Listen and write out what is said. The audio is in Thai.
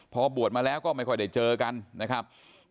พอบวชมาแล้วก็ไม่ค่อยได้เจอกันนะครับ